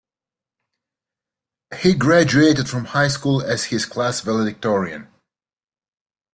He graduated from high school as his class valedictorian.